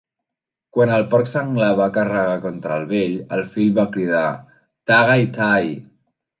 Quan el porc senglar va carregar contra el vell, el fill va cridar "taga itay!".